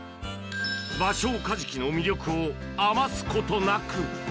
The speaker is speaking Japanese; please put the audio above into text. バショウカジキの魅力を余すことなく。